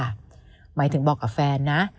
หมายถึงบอกกับแฟนนะ